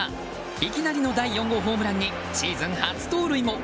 いきなりの第４号ホームランにシーズン初盗塁も。